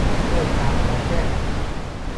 เลิกงานแล้วแจ้